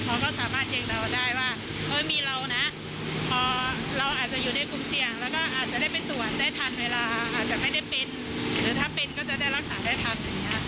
แล้วก็อาจจะได้ไปตรวจได้ทันเวลาอาจจะไม่ได้เป็นหรือถ้าเป็นก็จะได้รักษาได้ทันอย่างนี้อะค่ะ